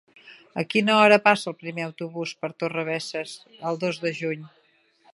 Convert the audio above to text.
A quina hora passa el primer autobús per Torrebesses el dos de juny?